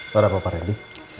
pada bapak rendy